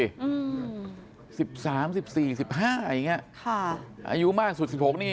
อืมสิบสามสิบสี่สิบห้าอย่างเงี้ยค่ะอายุมากสุดสิบหกนี่